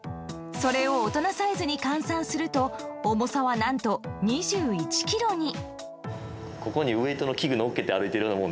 それを大人サイズに換算すると重さは何と２１ｋｇに。